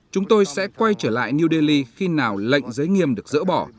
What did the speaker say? chúng tôi sẽ quay trở lại new delhi khi nào lệnh giới nghiêm được dỡ bỏ